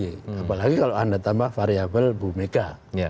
apalagi kalau anda tambah variable bumeka